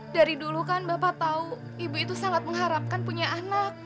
dari dulu kan bapak tahu ibu itu sangat mengharapkan punya anak